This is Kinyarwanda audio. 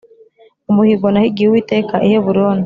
Umuhigo nahigiye uwiteka i heburoni